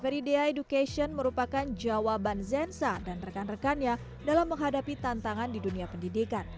zainzah menemukan jawaban zainzah dan rekan rekannya dalam menghadapi tantangan di dunia pendidikan